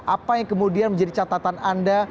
apa yang kemudian menjadi catatan anda